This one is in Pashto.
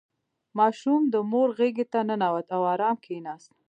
• ماشوم د مور غېږې ته ننوت او آرام کښېناست.